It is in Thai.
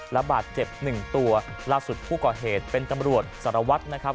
ระบาดเจ็บหนึ่งตัวล่าสุดผู้ก่อเหตุเป็นตำรวจสารวัตรนะครับ